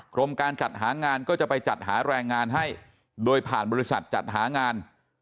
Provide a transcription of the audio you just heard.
กรมการจัดหางานก็จะไปจัดหาแรงงานให้โดยผ่านบริษัทจัดหางาน